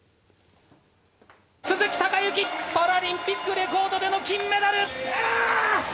鈴木孝幸、パラリンピックレコードでの金メダル。